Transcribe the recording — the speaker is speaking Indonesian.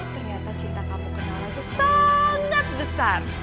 ternyata cinta kamu ke naora itu senggak besar